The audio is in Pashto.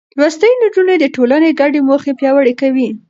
لوستې نجونې د ټولنې ګډې موخې پياوړې کوي.